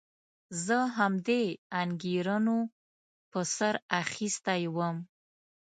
زه همدې انګېرنو په سر اخیستی وم.